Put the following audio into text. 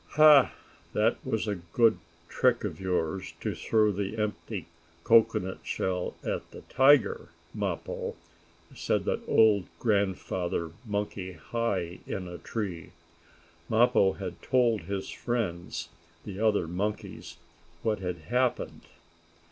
"Ha! That was a good trick of yours to throw the empty cocoanut shell at the tiger, Mappo," said an old grandfather monkey, high in a tree. Mappo had told his friends, the other monkeys, what had happened.